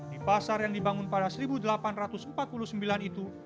di pasar yang dibangun pada seribu delapan ratus empat puluh sembilan itu